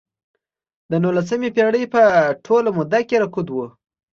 د نولسمې پېړۍ په ټوله موده کې رکود و.